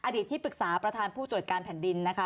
ที่ปรึกษาประธานผู้ตรวจการแผ่นดินนะคะ